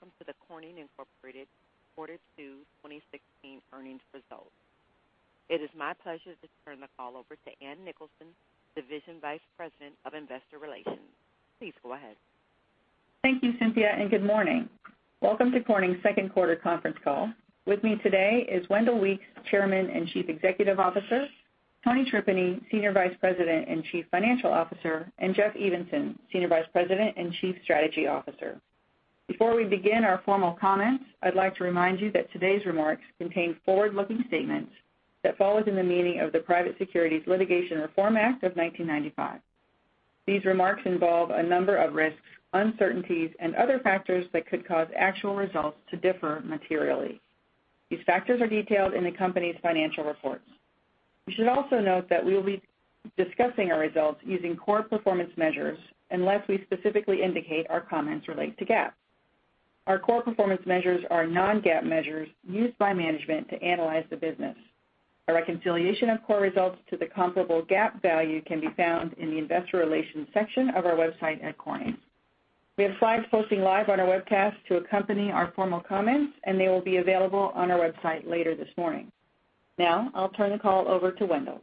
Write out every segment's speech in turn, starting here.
Welcome to the Corning Incorporated Quarter 2 2016 earnings results. It is my pleasure to turn the call over to Ann Nicholson, Division Vice President of Investor Relations. Please go ahead. Thank you, Cynthia, and good morning. Welcome to Corning's second quarter conference call. With me today is Wendell Weeks, Chairman and Chief Executive Officer, Tony Tripeny, Senior Vice President and Chief Financial Officer, and Jeff Evenson, Senior Vice President and Chief Strategy Officer. Before we begin our formal comments, I'd like to remind you that today's remarks contain forward-looking statements that fall within the meaning of the Private Securities Litigation Reform Act of 1995. These remarks involve a number of risks, uncertainties, and other factors that could cause actual results to differ materially. These factors are detailed in the company's financial reports. You should also note that we will be discussing our results using core performance measures unless we specifically indicate our comments relate to GAAP. Our core performance measures are non-GAAP measures used by management to analyze the business. A reconciliation of core results to the comparable GAAP value can be found in the investor relations section of our website at Corning. We have slides posting live on our webcast to accompany our formal comments, and they will be available on our website later this morning. I'll turn the call over to Wendell.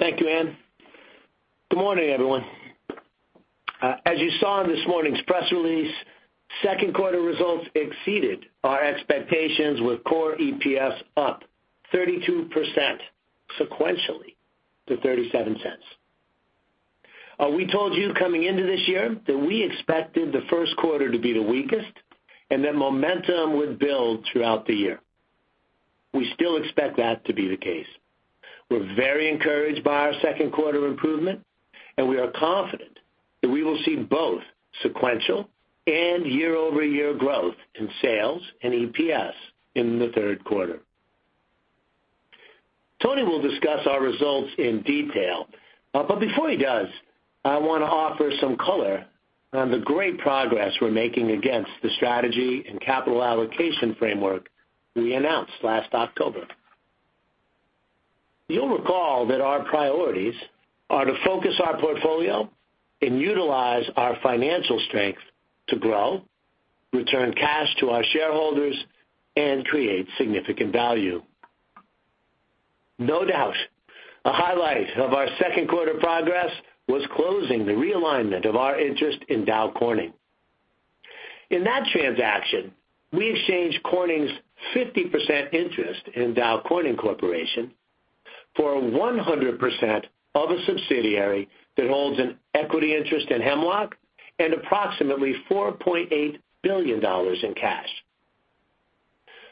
Thank you, Ann. Good morning, everyone. As you saw in this morning's press release, second quarter results exceeded our expectations with core EPS up 32% sequentially to $0.37. We told you coming into this year that we expected the first quarter to be the weakest and that momentum would build throughout the year. We still expect that to be the case. We're very encouraged by our second quarter improvement, and we are confident that we will see both sequential and year-over-year growth in sales and EPS in the third quarter. Tony will discuss our results in detail. Before he does, I want to offer some color on the great progress we're making against the strategy and capital allocation framework we announced last October. You'll recall that our priorities are to focus our portfolio and utilize our financial strength to grow, return cash to our shareholders, and create significant value. No doubt, a highlight of our second quarter progress was closing the realignment of our interest in Dow Corning. In that transaction, we exchanged Corning's 50% interest in Dow Corning Corporation for 100% of a subsidiary that holds an equity interest in Hemlock and approximately $4.8 billion in cash.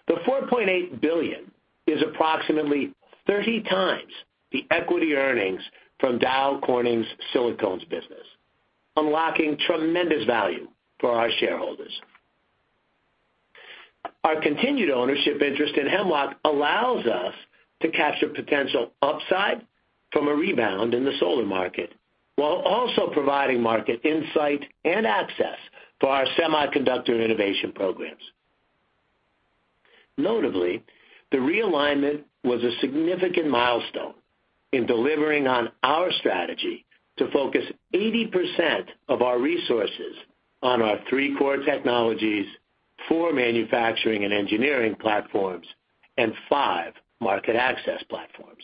The $4.8 billion is approximately 30 times the equity earnings from Dow Corning's silicones business, unlocking tremendous value for our shareholders. Our continued ownership interest in Hemlock allows us to capture potential upside from a rebound in the solar market, while also providing market insight and access for our semiconductor and innovation programs. Notably, the realignment was a significant milestone in delivering on our strategy to focus 80% of our resources on our three core technologies, four manufacturing and engineering platforms, and five market access platforms.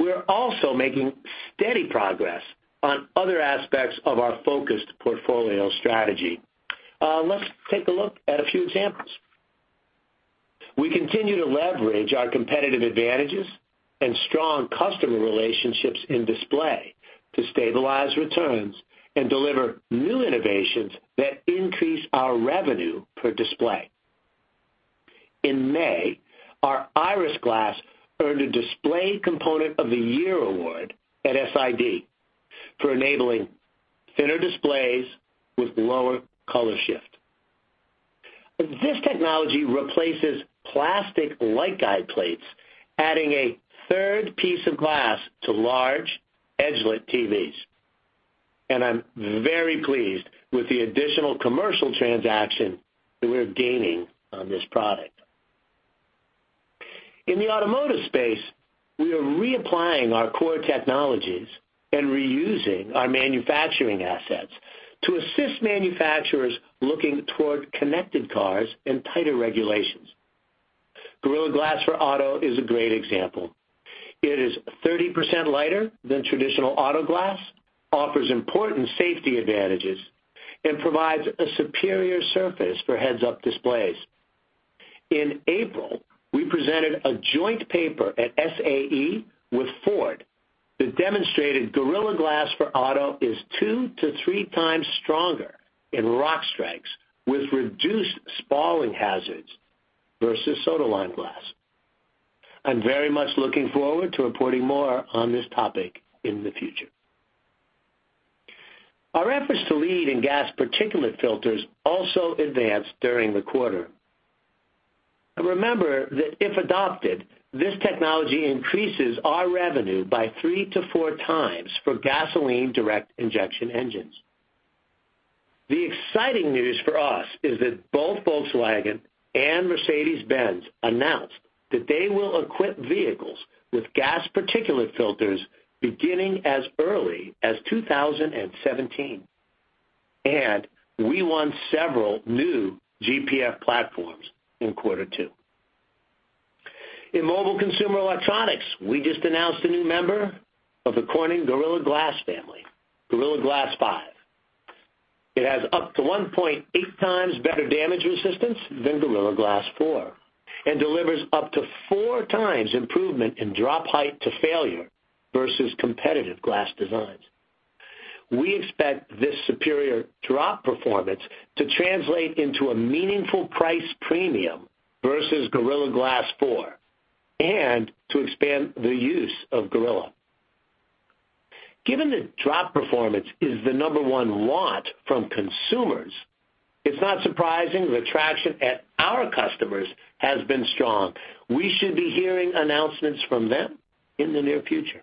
We are also making steady progress on other aspects of our focused portfolio strategy. Let's take a look at a few examples. We continue to leverage our competitive advantages and strong customer relationships in Display to stabilize returns and deliver new innovations that increase our revenue per display. In May, our Iris Glass earned a Display Component of the Year award at SID for enabling thinner displays with lower color shift. This technology replaces plastic light guide plates, adding a third piece of glass to large edge-lit TVs, I'm very pleased with the additional commercial transaction that we're gaining on this product. In the automotive space, we are reapplying our core technologies and reusing our manufacturing assets to assist manufacturers looking toward connected cars and tighter regulations. Gorilla Glass for auto is a great example. It is 30% lighter than traditional auto glass, offers important safety advantages, and provides a superior surface for heads-up displays. In April, we presented a joint paper at SAE with Ford that demonstrated Gorilla Glass for auto is two to three times stronger in rock strikes with reduced spalling hazards versus soda-lime glass. I'm very much looking forward to reporting more on this topic in the future. Our efforts to lead in gasoline particulate filters also advanced during the quarter. Remember that if adopted, this technology increases our revenue by three to four times for gasoline direct injection engines. The exciting news for us is that both Volkswagen and Mercedes-Benz announced that they will equip vehicles with gasoline particulate filters beginning as early as 2017. We won several new GPF platforms in quarter two. In mobile consumer electronics, we just announced a new member of the Corning Gorilla Glass family, Gorilla Glass 5. It has up to 1.8 times better damage resistance than Gorilla Glass 4 and delivers up to four times improvement in drop height to failure versus competitive glass designs. We expect this superior drop performance to translate into a meaningful price premium versus Gorilla Glass 4 and to expand the use of Gorilla. Given that drop performance is the number one want from consumers, it's not surprising the traction at our customers has been strong. We should be hearing announcements from them in the near future.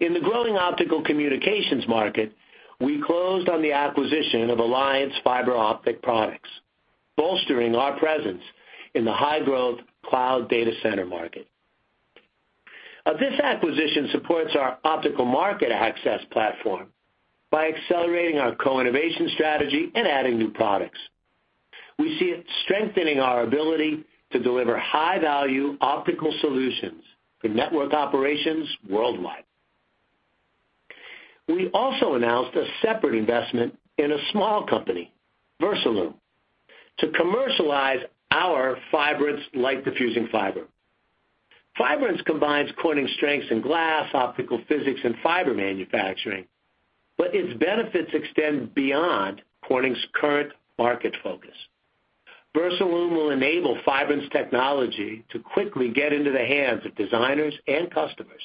In the growing Optical Communications market, we closed on the acquisition of Alliance Fiber Optic Products, bolstering our presence in the high-growth cloud data center market. This acquisition supports our optical market access platform by accelerating our co-innovation strategy and adding new products. We see it strengthening our ability to deliver high-value optical solutions for network operations worldwide. We also announced a separate investment in a small company, Versalume, to commercialize our Fibrance light-diffusing fiber. Fibrance combines Corning strengths in glass, optical physics, and fiber manufacturing, but its benefits extend beyond Corning's current market focus. Versalume will enable Fibrance technology to quickly get into the hands of designers and customers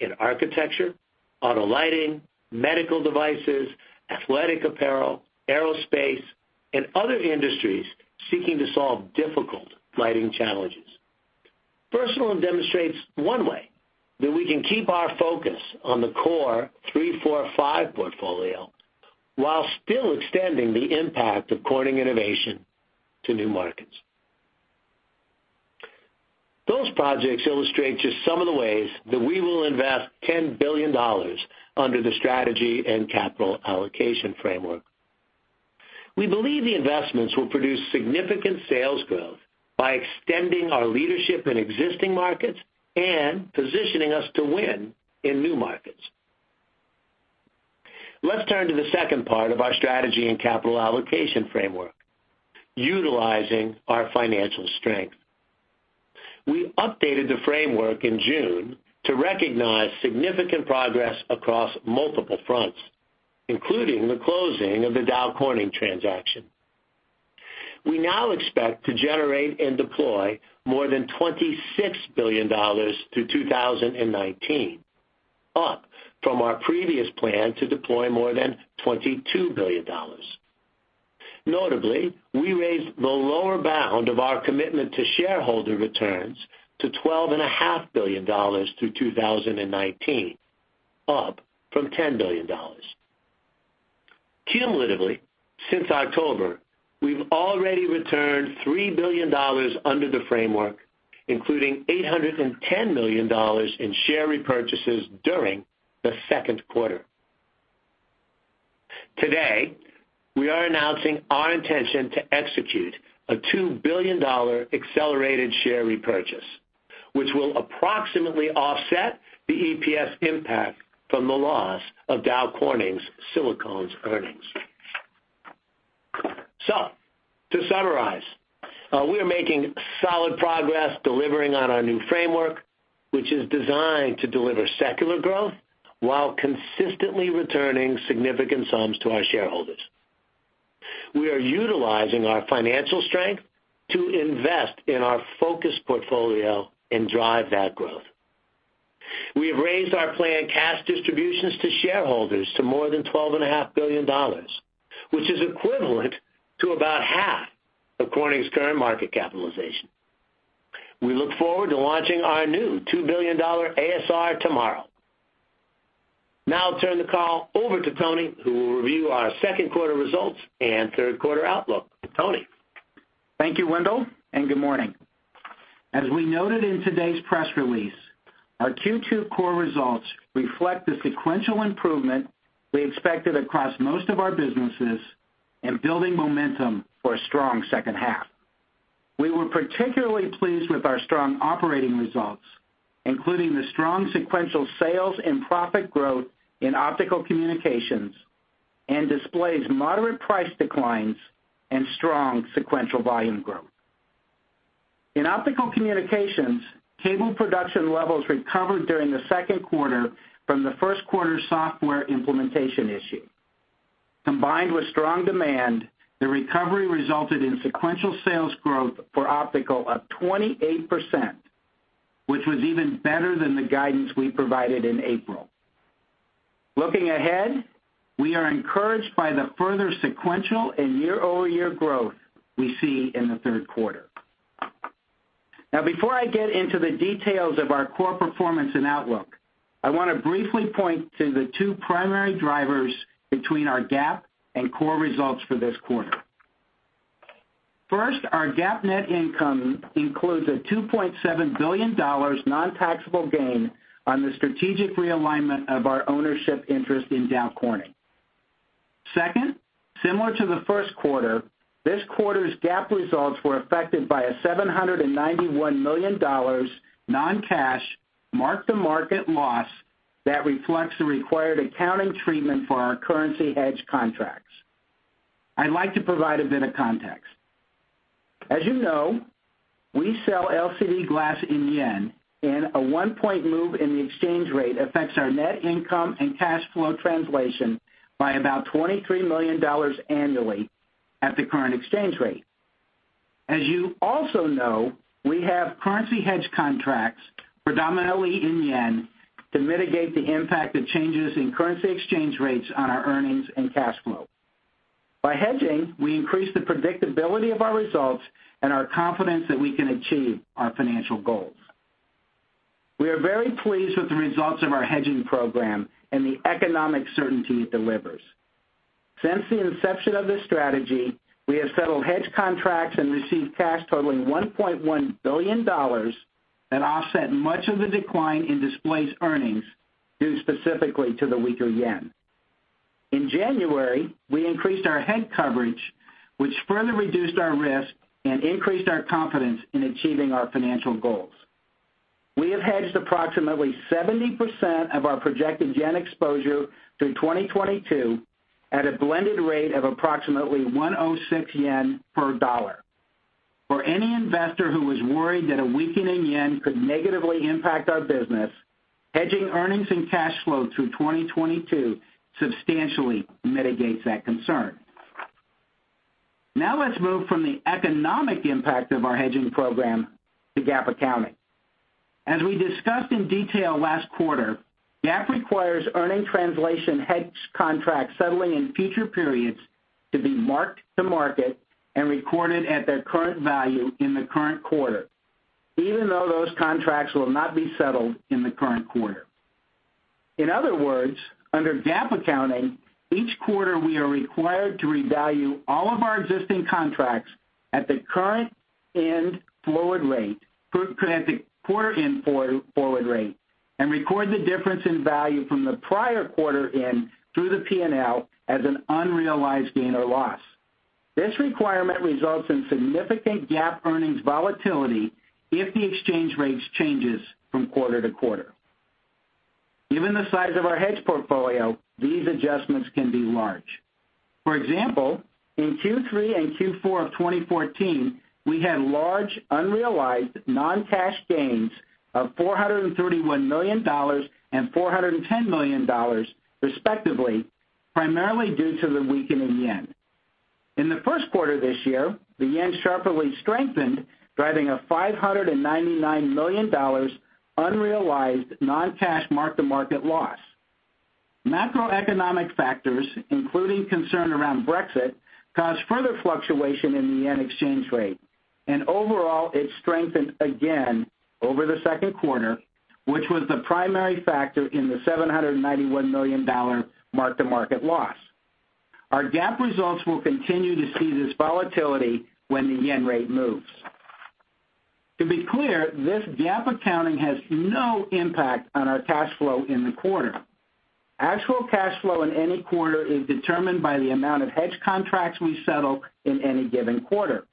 in architecture, auto lighting, medical devices, athletic apparel, aerospace, and other industries seeking to solve difficult lighting challenges. Versalume demonstrates one way that we can keep our focus on the core 3-4-5 portfolio, while still extending the impact of Corning innovation to new markets. We believe the investments will produce significant sales growth by extending our leadership in existing markets and positioning us to win in new markets. Those projects illustrate just some of the ways that we will invest $10 billion under the strategy and capital allocation framework. Let's turn to the second part of our strategy and capital allocation framework, utilizing our financial strength. We updated the framework in June to recognize significant progress across multiple fronts, including the closing of the Dow Corning transaction. We now expect to generate and deploy more than $26 billion through 2019, up from our previous plan to deploy more than $22 billion. Notably, we raised the lower bound of our commitment to shareholder returns to $12.5 billion through 2019, up from $10 billion. Cumulatively, since October, we've already returned $3 billion under the framework, including $810 million in share repurchases during the second quarter. Today, we are announcing our intention to execute a $2 billion accelerated share repurchase, which will approximately offset the EPS impact from the loss of Dow Corning's silicones earnings. To summarize, we are making solid progress delivering on our new framework, which is designed to deliver secular growth while consistently returning significant sums to our shareholders. We are utilizing our financial strength to invest in our focused portfolio and drive that growth. We have raised our planned cash distributions to shareholders to more than $12.5 billion, which is equivalent to about half of Corning's current market capitalization. We look forward to launching our new $2 billion ASR tomorrow. I'll turn the call over to Tony, who will review our second quarter results and third quarter outlook. Tony? Thank you, Wendell, and good morning. As we noted in today's press release, our Q2 core results reflect the sequential improvement we expected across most of our businesses in building momentum for a strong second half. We were particularly pleased with our strong operating results, including the strong sequential sales and profit growth in Optical Communications, and Display's moderate price declines and strong sequential volume growth. In Optical Communications, cable production levels recovered during the second quarter from the first quarter software implementation issue. Combined with strong demand, the recovery resulted in sequential sales growth for Optical of 28%, which was even better than the guidance we provided in April. Looking ahead, we are encouraged by the further sequential and year-over-year growth we see in the third quarter. Before I get into the details of our core performance and outlook, I want to briefly point to the two primary drivers between our GAAP and core results for this quarter. First, our GAAP net income includes a $2.7 billion non-taxable gain on the strategic realignment of our ownership interest in Dow Corning. Second, similar to the first quarter, this quarter's GAAP results were affected by a $791 million non-cash mark-to-market loss that reflects the required accounting treatment for our currency hedge contracts. I'd like to provide a bit of context. As you know, we sell LCD glass in JPY, and a one-point move in the exchange rate affects our net income and cash flow translation by about $23 million annually at the current exchange rate. You also know, we have currency hedge contracts, predominantly in JPY, to mitigate the impact of changes in currency exchange rates on our earnings and cash flow. By hedging, we increase the predictability of our results and our confidence that we can achieve our financial goals. We are very pleased with the results of our hedging program and the economic certainty it delivers. Since the inception of this strategy, we have settled hedge contracts and received cash totaling $1.1 billion that offset much of the decline in Displays' earnings due specifically to the weaker JPY. In January, we increased our hedge coverage, which further reduced our risk and increased our confidence in achieving our financial goals. We have hedged approximately 70% of our projected JPY exposure through 2022 at a blended rate of approximately 106 yen per dollar. For any investor who was worried that a weakening JPY could negatively impact our business, hedging earnings and cash flow through 2022 substantially mitigates that concern. Let's move from the economic impact of our hedging program to GAAP accounting. As we discussed in detail last quarter, GAAP requires earning translation hedge contracts settling in future periods to be mark-to-market and recorded at their current value in the current quarter, even though those contracts will not be settled in the current quarter. In other words, under GAAP accounting, each quarter we are required to revalue all of our existing contracts at the quarter-end forward rate, and record the difference in value from the prior quarter in through the P&L as an unrealized gain or loss. This requirement results in significant GAAP earnings volatility if the exchange rates changes from quarter to quarter. Given the size of our hedge portfolio, these adjustments can be large. For example, in Q3 and Q4 of 2014, we had large unrealized non-cash gains of $431 million and $410 million, respectively, primarily due to the weakening JPY. In the first quarter this year, the JPY sharply strengthened, driving a $599 million unrealized non-cash mark-to-market loss. Macroeconomic factors, including concern around Brexit, caused further fluctuation in the JPY exchange rate. Overall, it strengthened again over the second quarter, which was the primary factor in the $791 million mark-to-market loss. Our GAAP results will continue to see this volatility when the JPY rate moves. To be clear, this GAAP accounting has no impact on our cash flow in the quarter. Actual cash flow in any quarter is determined by the amount of hedge contracts we settle in any given quarter.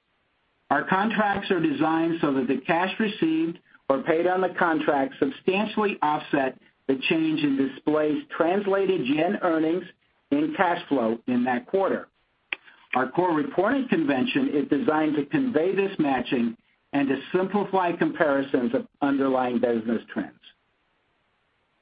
Our contracts are designed so that the cash received or paid on the contract substantially offset the change in Display's translated JPY earnings and cash flow in that quarter. Our core reporting convention is designed to convey this matching and to simplify comparisons of underlying business trends.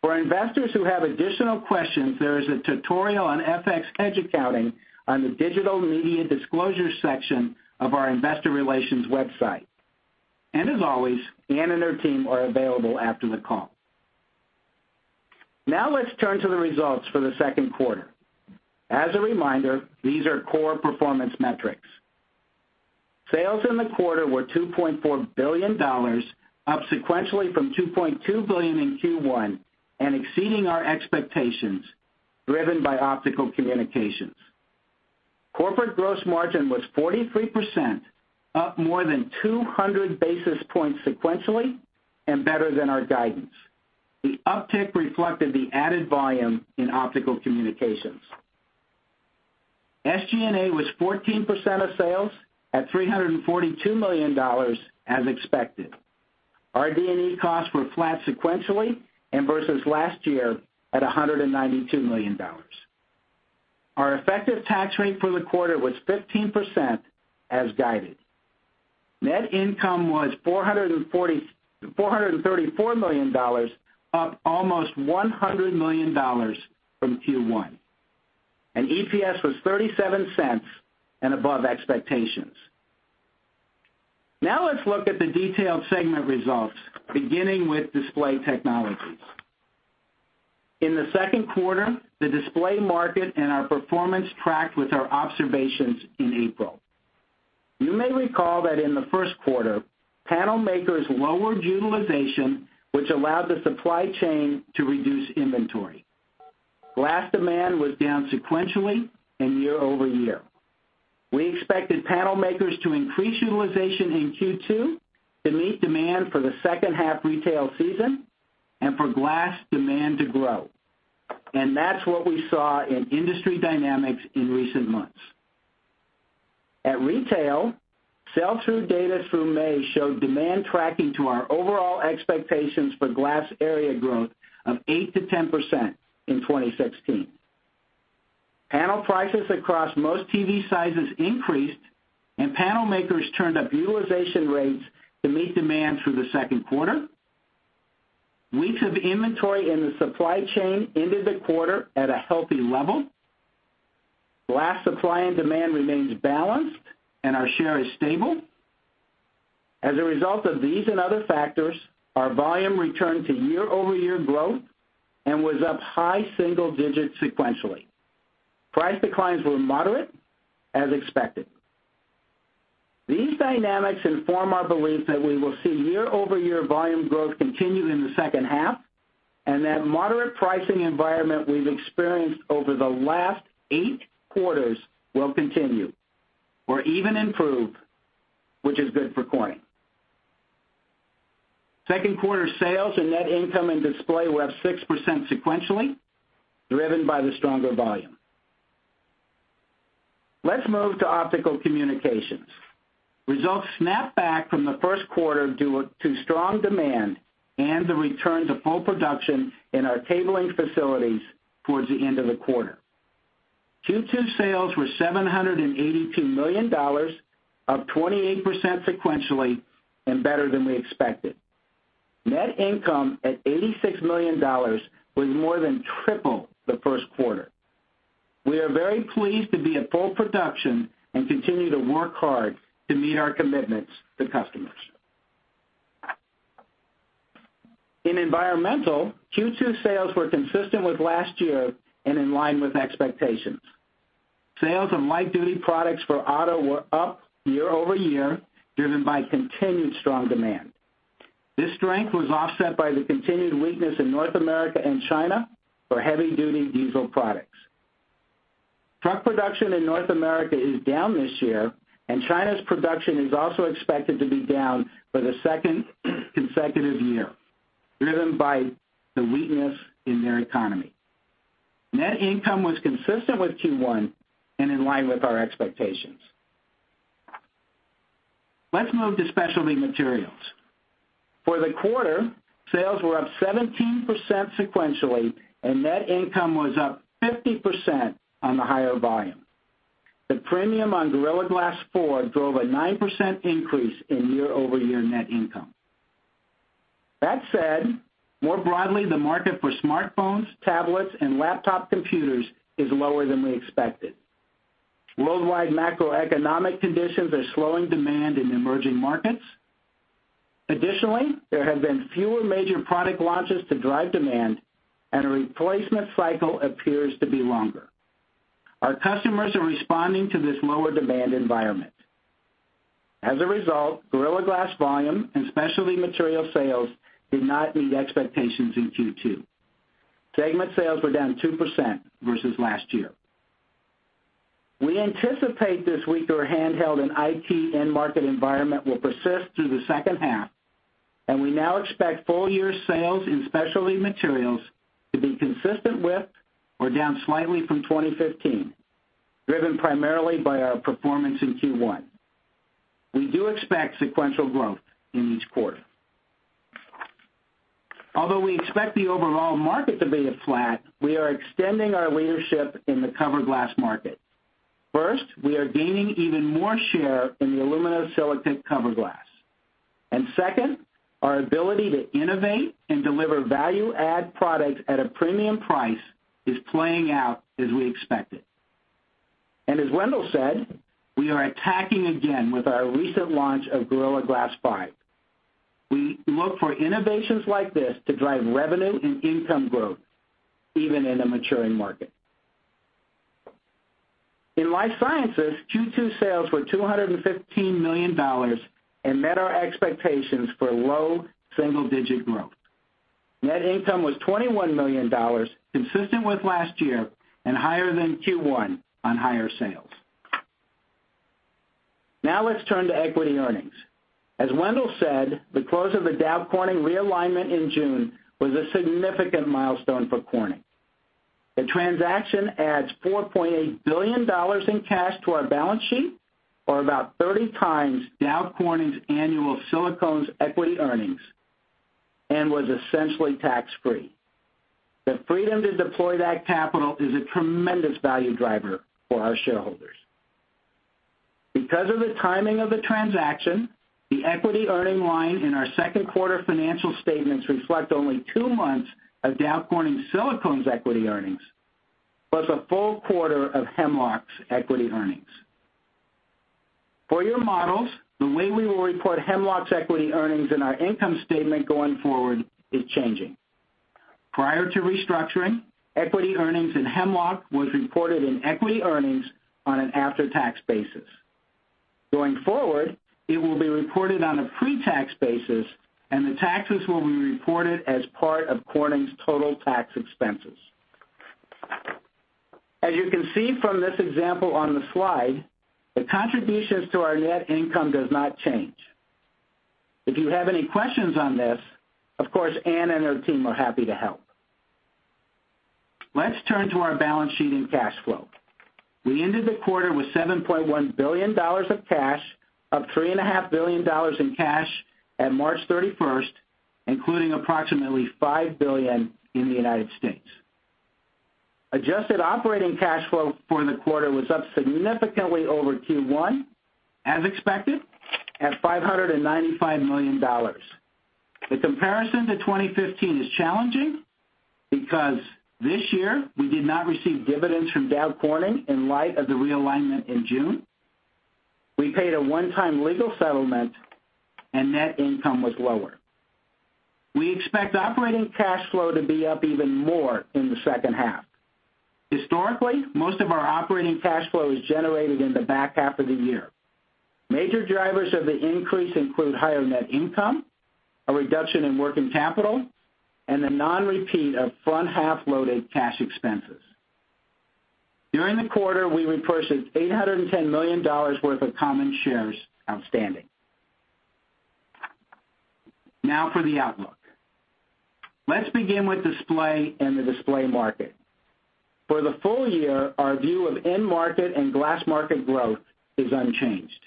For investors who have additional questions, there is a tutorial on FX hedge accounting on the digital media disclosure section of our investor relations website. As always, Ann and her team are available after the call. Let's turn to the results for the second quarter. As a reminder, these are core performance metrics. Sales in the quarter were $2.4 billion, up sequentially from $2.2 billion in Q1, exceeding our expectations, driven by Optical Communications. Corporate gross margin was 43%, up more than 200 basis points sequentially and better than our guidance. The uptick reflected the added volume in Optical Communications. SG&A was 14% of sales at $342 million as expected. Our RD&E costs were flat sequentially and versus last year at $192 million. Our effective tax rate for the quarter was 15% as guided. Net income was $434 million, up almost $100 million from Q1. EPS was $0.37 and above expectations. Let's look at the detailed segment results, beginning with Display Technologies. In the second quarter, the display market and our performance tracked with our observations in April. You may recall that in the first quarter, panel makers lowered utilization, which allowed the supply chain to reduce inventory. Glass demand was down sequentially and year-over-year. We expected panel makers to increase utilization in Q2 to meet demand for the second half retail season and for glass demand to grow. That's what we saw in industry dynamics in recent months. At retail, sell-through data through May showed demand tracking to our overall expectations for glass area growth of 8%-10% in 2016. Panel prices across most TV sizes increased. Panel makers turned up utilization rates to meet demand through the second quarter. Weeks of inventory in the supply chain ended the quarter at a healthy level. Glass supply and demand remains balanced. Our share is stable. As a result of these and other factors, our volume returned to year-over-year growth and was up high single digits sequentially. Price declines were moderate as expected. These dynamics inform our belief that we will see year-over-year volume growth continue in the second half. That moderate pricing environment we've experienced over the last eight quarters will continue or even improve, which is good for Corning. Second quarter sales and net income in Display were up 6% sequentially, driven by the stronger volume. Let's move to Optical Communications. Results snapped back from the first quarter due to strong demand and the return to full production in our cabling facilities towards the end of the quarter. Q2 sales were $782 million, up 28% sequentially and better than we expected. Net income at $86 million was more than triple the first quarter. We are very pleased to be at full production and continue to work hard to meet our commitments to customers. In Environmental, Q2 sales were consistent with last year and in line with expectations. Sales of light-duty products for auto were up year-over-year, driven by continued strong demand. This strength was offset by the continued weakness in North America and China for heavy-duty diesel products. Truck production in North America is down this year. China's production is also expected to be down for the second consecutive year, driven by the weakness in their economy. Net income was consistent with Q1 and in line with our expectations. Let's move to Specialty Materials. For the quarter, sales were up 17% sequentially. Net income was up 50% on the higher volume. The premium on Gorilla Glass 4 drove a 9% increase in year-over-year net income. That said, more broadly, the market for smartphones, tablets, and laptop computers is lower than we expected. Worldwide macroeconomic conditions are slowing demand in emerging markets. There have been fewer major product launches to drive demand, and the replacement cycle appears to be longer. Our customers are responding to this lower demand environment. As a result, Gorilla Glass volume and Specialty Materials sales did not meet expectations in Q2. Segment sales were down 2% versus last year. We anticipate this weaker handheld and IT end market environment will persist through the second half, and we now expect full-year sales in Specialty Materials to be consistent with or down slightly from 2015, driven primarily by our performance in Q1. We do expect sequential growth in each quarter. Although we expect the overall market to be flat, we are extending our leadership in the cover glass market. First, we are gaining even more share in the aluminosilicate cover glass. Second, our ability to innovate and deliver value-add products at a premium price is playing out as we expected. As Wendell said, we are attacking again with our recent launch of Gorilla Glass 5. We look for innovations like this to drive revenue and income growth even in a maturing market. In Life Sciences, Q2 sales were $215 million and met our expectations for low single-digit growth. Net income was $21 million, consistent with last year and higher than Q1 on higher sales. Let's turn to equity earnings. As Wendell said, the close of the Dow Corning realignment in June was a significant milestone for Corning. The transaction adds $4.8 billion in cash to our balance sheet, or about 30 times Dow Corning's annual silicones equity earnings, and was essentially tax-free. The freedom to deploy that capital is a tremendous value driver for our shareholders. Because of the timing of the transaction, the equity earning line in our second quarter financial statements reflect only two months of Dow Corning Silicones equity earnings, plus a full quarter of Hemlock's equity earnings. For your models, the way we will report Hemlock's equity earnings in our income statement going forward is changing. Prior to restructuring, equity earnings in Hemlock was reported in equity earnings on an after-tax basis. Going forward, it will be reported on a pre-tax basis, and the taxes will be reported as part of Corning's total tax expenses. As you can see from this example on the slide, the contributions to our net income does not change. If you have any questions on this, of course, Ann and her team are happy to help. Let's turn to our balance sheet and cash flow. We ended the quarter with $7.1 billion of cash, up three and a half billion dollars in cash at March 31st, including approximately $5 billion in the United States. Adjusted operating cash flow for the quarter was up significantly over Q1, as expected, at $595 million. The comparison to 2015 is challenging because this year we did not receive dividends from Dow Corning in light of the realignment in June. We paid a one-time legal settlement, and net income was lower. We expect operating cash flow to be up even more in the second half. Historically, most of our operating cash flow is generated in the back half of the year. Major drivers of the increase include higher net income, a reduction in working capital, and the non-repeat of front-half loaded cash expenses. During the quarter, we repurchased $810 million worth of common shares outstanding. Now for the outlook. Let's begin with display and the display market. For the full year, our view of end market and glass market growth is unchanged.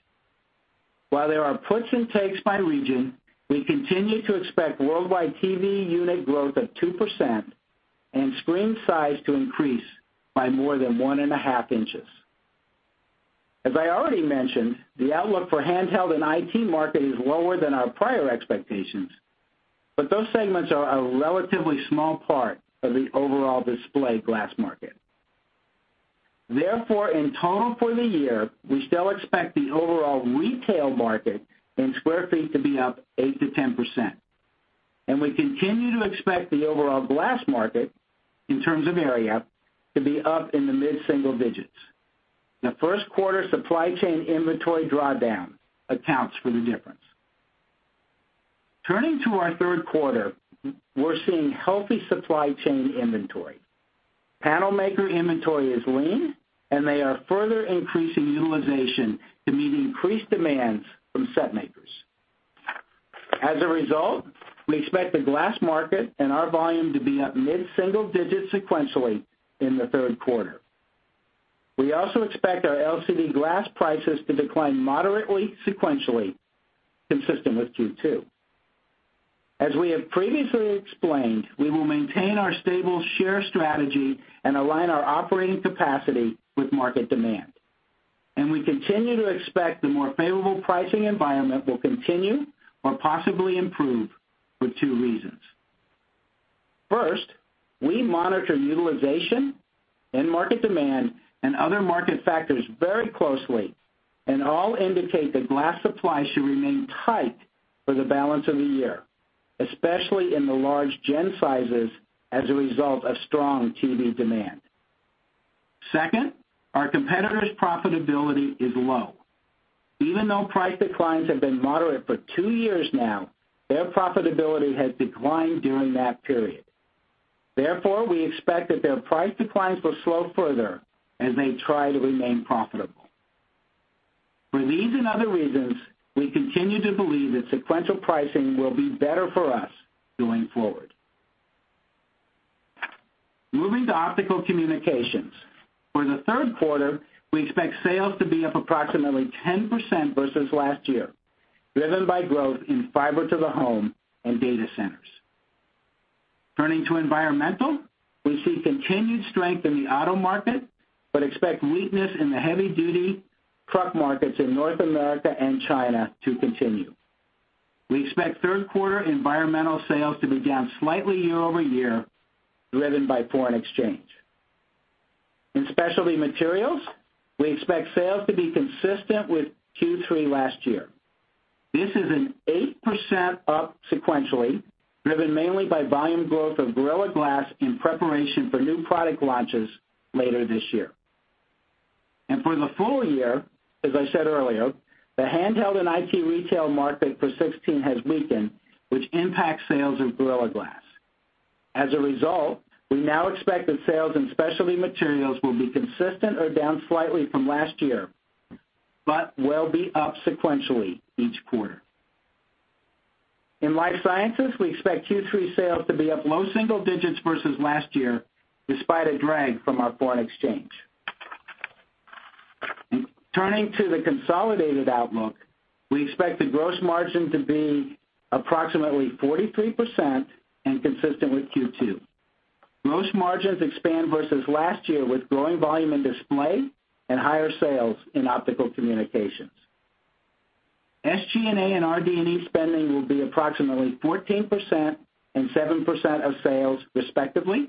While there are puts and takes by region, we continue to expect worldwide TV unit growth of 2% and screen size to increase by more than one and a half inches. As I already mentioned, the outlook for handheld and IT market is lower than our prior expectations, but those segments are a relatively small part of the overall display glass market. Therefore, in total for the year, we still expect the overall retail market in square feet to be up 8%-10%. We continue to expect the overall glass market, in terms of area, to be up in the mid-single digits. The first quarter supply chain inventory drawdown accounts for the difference. Turning to our third quarter, we're seeing healthy supply chain inventory. Panel maker inventory is lean, and they are further increasing utilization to meet increased demands from set makers. As a result, we expect the glass market and our volume to be up mid-single digits sequentially in the third quarter. We also expect our LCD glass prices to decline moderately sequentially, consistent with Q2. As we have previously explained, we will maintain our stable share strategy and align our operating capacity with market demand. We continue to expect the more favorable pricing environment will continue or possibly improve for two reasons. First, we monitor utilization, end market demand, and other market factors very closely, and all indicate that glass supply should remain tight for the balance of the year, especially in the large gen sizes as a result of strong TV demand. Second, our competitors' profitability is low. Even though price declines have been moderate for two years now, their profitability has declined during that period. We expect that their price declines will slow further as they try to remain profitable. For these and other reasons, we continue to believe that sequential pricing will be better for us going forward. Moving to Optical Communications. For the third quarter, we expect sales to be up approximately 10% versus last year, driven by growth in fiber to the home and data centers. Turning to Environmental, we see continued strength in the auto market, but expect weakness in the heavy-duty truck markets in North America and China to continue. We expect third quarter Environmental sales to be down slightly year-over-year, driven by foreign exchange. In Specialty Materials, we expect sales to be consistent with Q3 last year. This is an 8% up sequentially, driven mainly by volume growth of Gorilla Glass in preparation for new product launches later this year. For the full year, as I said earlier, the handheld and IT retail market for 2016 has weakened, which impacts sales of Gorilla Glass. As a result, we now expect that sales in Specialty Materials will be consistent or down slightly from last year, but will be up sequentially each quarter. In Life Sciences, we expect Q3 sales to be up low single digits versus last year, despite a drag from our foreign exchange. Turning to the consolidated outlook, we expect the gross margin to be approximately 43% and consistent with Q2. Gross margins expand versus last year with growing volume in Display and higher sales in Optical Communications. SG&A and RD&E spending will be approximately 14% and 7% of sales respectively.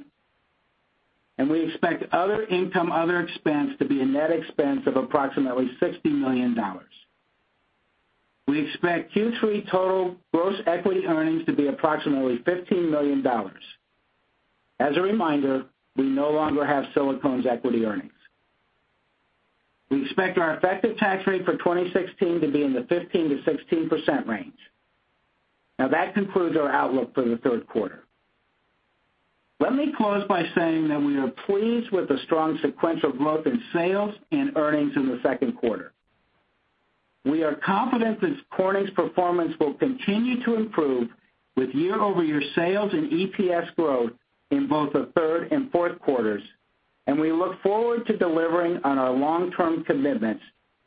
We expect other income/other expense to be a net expense of approximately $60 million. We expect Q3 total gross equity earnings to be approximately $15 million. As a reminder, we no longer have silicones equity earnings. We expect our effective tax rate for 2016 to be in the 15%-16% range. That concludes our outlook for the third quarter. Let me close by saying that we are pleased with the strong sequential growth in sales and earnings in the second quarter. We are confident that Corning's performance will continue to improve with year-over-year sales and EPS growth in both the third and fourth quarters, and we look forward to delivering on our long-term commitments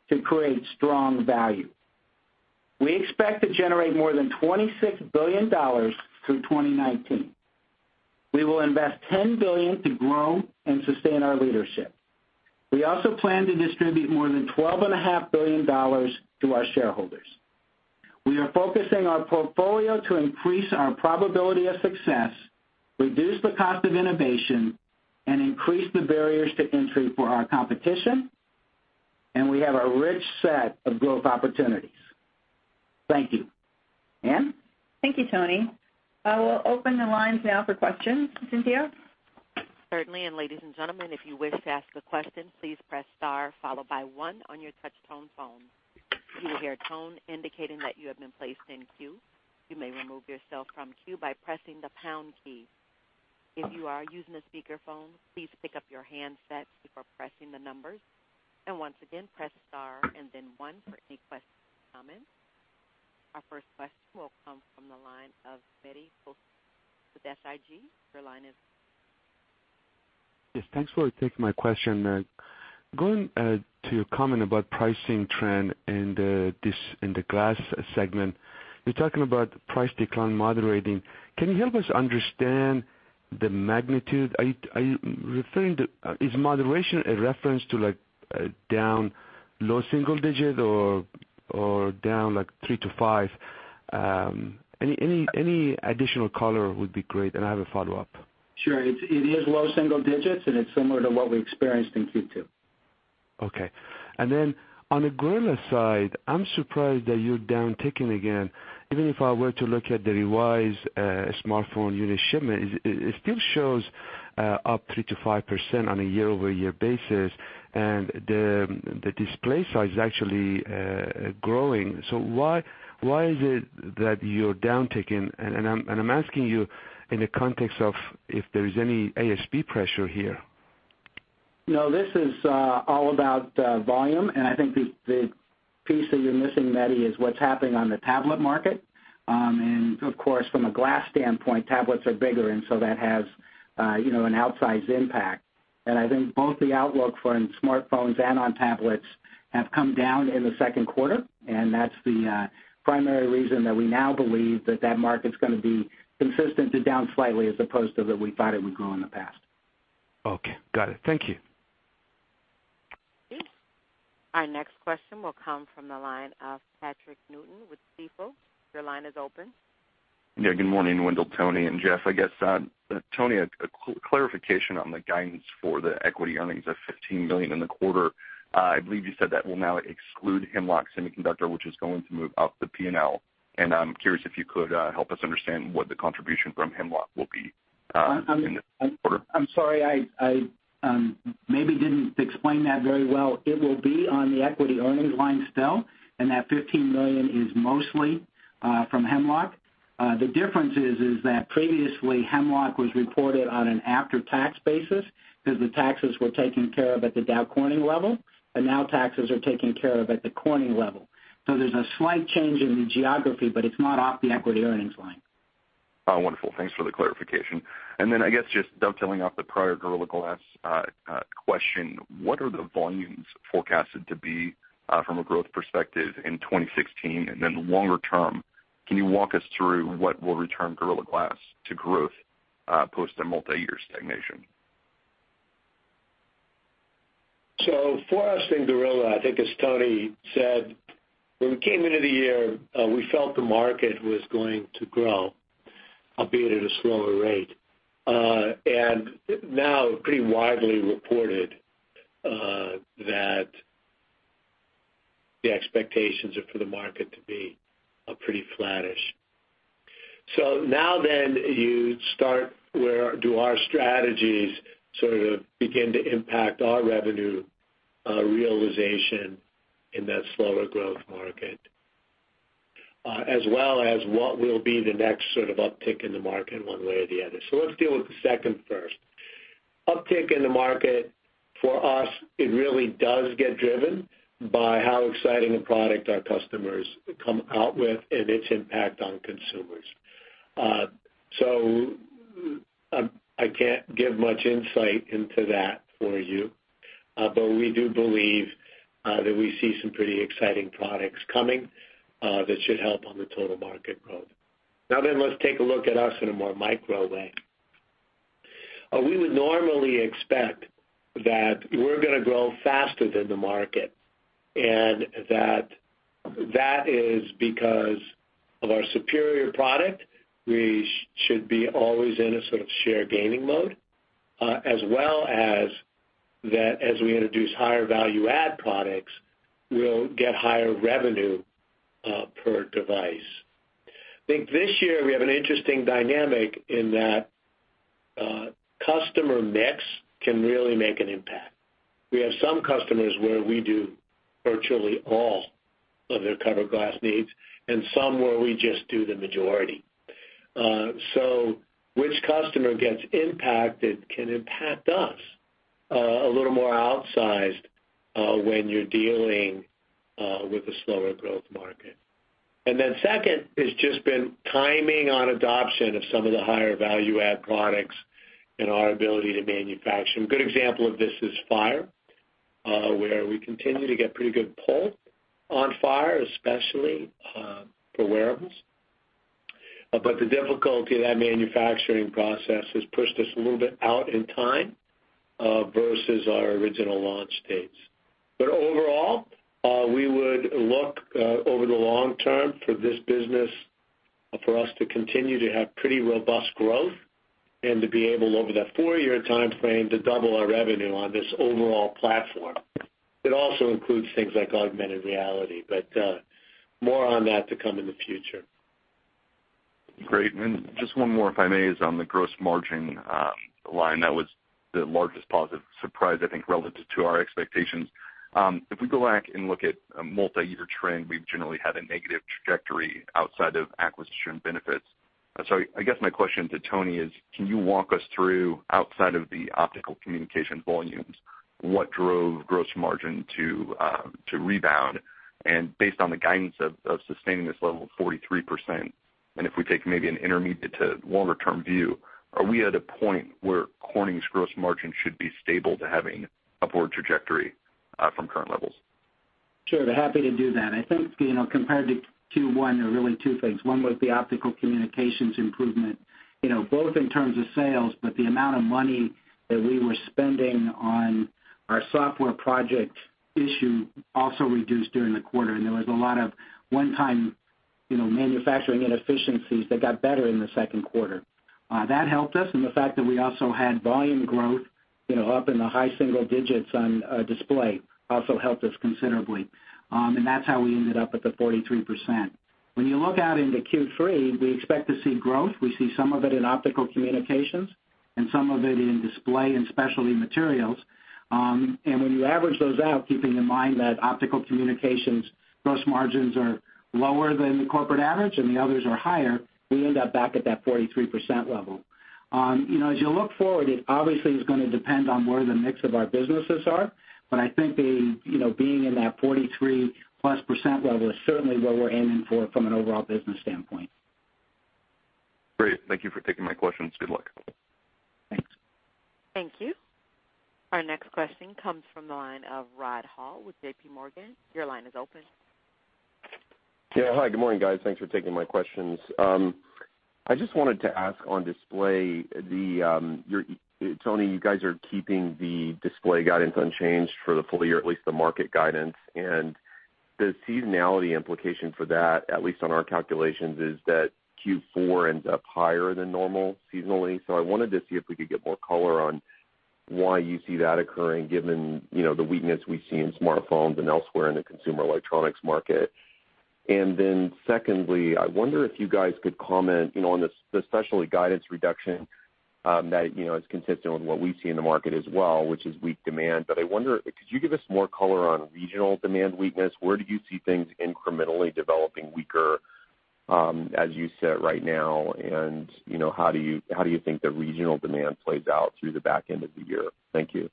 to create strong value. We expect to generate more than $26 billion through 2019. We will invest $10 billion to grow and sustain our leadership. We also plan to distribute more than $12.5 billion to our shareholders. We are focusing our portfolio to increase our probability of success, reduce the cost of innovation, and increase the barriers to entry for our competition. We have a rich set of growth opportunities. Thank you. Ann? Thank you, Tony. I will open the lines now for questions. Cynthia? Certainly, Ladies and gentlemen, if you wish to ask a question, please press star followed by one on your touch-tone phone. You will hear a tone indicating that you have been placed in queue. You may remove yourself from queue by pressing the pound key. If you are using a speakerphone, please pick up your handset before pressing the numbers. Once again, press star and then one for any questions or comments. Our first question will come from the line of Mehdi Hosseini with SIG. Your line is. Yes. Thanks for taking my question. Going to your comment about pricing trend in the glass segment, you are talking about price decline moderating. Can you help us understand the magnitude? Is moderation a reference to down low single digit, or down 3-5? Any additional color would be great. I have a follow-up. Sure. It is low single digits. It is similar to what we experienced in Q2. Okay. Then on the Gorilla side, I'm surprised that you're downticking again. Even if I were to look at the revised smartphone unit shipment, it still shows up 3%-5% on a year-over-year basis, and the display side is actually growing. Why is it that you're downticking? I'm asking you in the context of if there is any ASP pressure here. No, this is all about volume. I think the piece that you're missing, Mehdi, is what's happening on the tablet market. Of course, from a glass standpoint, tablets are bigger, so that has an outsized impact. I think both the outlook for smartphones and on tablets have come down in the second quarter, that's the primary reason that we now believe that that market's going to be consistent to down slightly as opposed to that we thought it would grow in the past. Okay, got it. Thank you. Our next question will come from the line of Patrick Newton with Stifel. Your line is open. Good morning, Wendell, Tony, and Jeff. Tony, a clarification on the guidance for the equity earnings of $15 million in the quarter. I believe you said that will now exclude Hemlock Semiconductor, which is going to move up the P&L. I'm curious if you could help us understand what the contribution from Hemlock will be in this quarter. I'm sorry, I maybe didn't explain that very well. It will be on the equity earnings line still. That $15 million is mostly from Hemlock. The difference is that previously Hemlock was reported on an after-tax basis because the taxes were taken care of at the Dow Corning level. Now taxes are taken care of at the Corning level. There's a slight change in the geography, it's not off the equity earnings line. Wonderful. Thanks for the clarification. I guess just dovetailing off the prior Gorilla Glass question, what are the volumes forecasted to be from a growth perspective in 2016? Longer term, can you walk us through what will return Gorilla Glass to growth post a multi-year stagnation? For us in Gorilla, I think as Tony said, when we came into the year, we felt the market was going to grow, albeit at a slower rate. Now pretty widely reported that the expectations are for the market to be pretty flattish. Now then you start, do our strategies sort of begin to impact our revenue realization in that slower growth market, as well as what will be the next sort of uptick in the market one way or the other. Let's deal with the second first. Uptick in the market, for us, it really does get driven by how exciting a product our customers come out with and its impact on consumers. I can't give much insight into that for you, we do believe that we see some pretty exciting products coming that should help on the total market growth. Let's take a look at us in a more micro way. We would normally expect that we're going to grow faster than the market, that is because of our superior product. We should be always in a sort of share gaining mode, as well as that as we introduce higher value-add products, we'll get higher revenue per device. I think this year we have an interesting dynamic in that customer mix can really make an impact. We have some customers where we do virtually all of their cover glass needs, and some where we just do the majority. Which customer gets impacted can impact us a little more outsized when you're dealing with a slower growth market. Second, has just been timing on adoption of some of the higher value-add products and our ability to manufacture. A good example of this is Phire, where we continue to get pretty good pull on Phire, especially for wearables. The difficulty of that manufacturing process has pushed us a little bit out in time, versus our original launch dates. Overall, we would look over the long term for this business for us to continue to have pretty robust growth, and to be able, over that four-year timeframe, to double our revenue on this overall platform. It also includes things like augmented reality, more on that to come in the future. Great. Just one more, if I may, is on the gross margin line. That was the largest positive surprise, I think, relative to our expectations. If we go back and look at a multi-year trend, we've generally had a negative trajectory outside of acquisition benefits. I guess my question to Tony is, can you walk us through, outside of the Optical Communications volumes, what drove gross margin to rebound, and based on the guidance of sustaining this level of 43%, and if we take maybe an intermediate to longer-term view, are we at a point where Corning's gross margin should be stable to having upward trajectory from current levels? Sure. Happy to do that. I think, compared to Q1, there are really two things. One was the Optical Communications improvement, both in terms of sales, the amount of money that we were spending on our software project issue also reduced during the quarter. There was a lot of one-time manufacturing inefficiencies that got better in the second quarter. That helped us. The fact that we also had volume growth up in the high single digits on Display also helped us considerably. That's how we ended up at the 43%. When you look out into Q3, we expect to see growth. We see some of it in Optical Communications and some of it in Display and Specialty Materials. When you average those out, keeping in mind that Optical Communications gross margins are lower than the corporate average and the others are higher, we end up back at that 43% level. As you look forward, it obviously is going to depend on where the mix of our businesses are, but I think being in that 43+% level is certainly what we're aiming for from an overall business standpoint. Great. Thank you for taking my questions. Good luck. Thanks. Thank you. Our next question comes from the line of Rod Hall with JPMorgan. Your line is open. Hi. Good morning, guys. Thanks for taking my questions. I just wanted to ask on Display, Tony, you guys are keeping the Display guidance unchanged for the full year, at least the market guidance. The seasonality implication for that, at least on our calculations, is that Q4 ends up higher than normal seasonally. I wanted to see if we could get more color on why you see that occurring given the weakness we see in smartphones and elsewhere in the consumer electronics market. Secondly, I wonder if you guys could comment on the Specialty guidance reduction that is consistent with what we see in the market as well, which is weak demand. I wonder, could you give us more color on regional demand weakness? Where do you see things incrementally developing weaker as you sit right now? How do you think the regional demand plays out through the back end of the year? Thank you.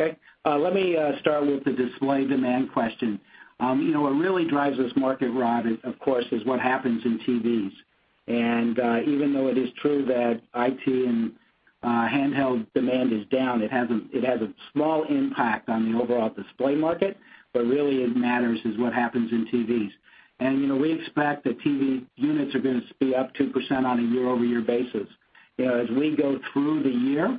Okay. Let me start with the display demand question. What really drives this market, Rod, of course, is what happens in TVs. Even though it is true that IT and handheld demand is down, it has a small impact on the overall display market, but really it matters is what happens in TVs. We expect that TV units are going to be up 2% on a year-over-year basis. As we go through the year,